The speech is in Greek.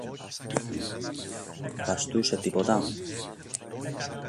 Βαστούσε τίποτα;